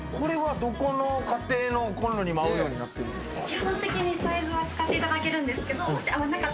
これは、どこの家庭のコンロにも合うようになってるんですか？